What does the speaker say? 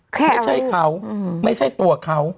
ไม่ใช่เขาไม่ใช่ตัวเขา